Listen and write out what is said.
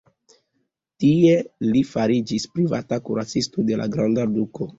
Tie li fariĝis privata kuracisto de la granda duko.